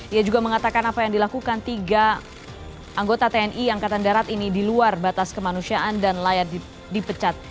ia juga mengatakan apa yang dilakukan tiga anggota tni angkatan darat ini di luar batas kemanusiaan dan layak dipecat